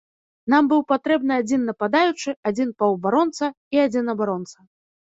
Нам быў патрэбны адзін нападаючы, адзін паўабаронца і адзін абаронца.